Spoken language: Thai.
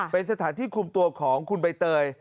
เป็นสถานที่คุมตัวของคุณใบเตย